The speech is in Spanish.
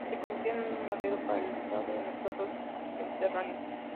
Se convirtieron en un modelo para ser usado en todo el Mediterráneo.